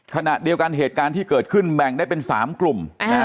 ขณะเดียวกันเหตุการณ์ที่เกิดขึ้นแบ่งได้เป็น๓กลุ่ม